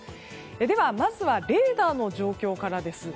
では、まずはレーダーの状況からです。